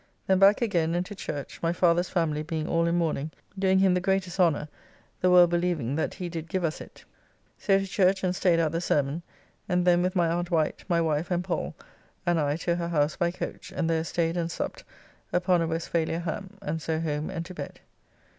Then back again and to church, my father's family being all in mourning, doing him the greatest honour, the world believing that he did give us it: so to church, and staid out the sermon, and then with my aunt Wight, my wife, and Pall and I to her house by coach, and there staid and supped upon a Westphalia ham, and so home and to bed.